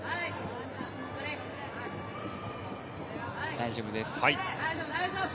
大丈夫です。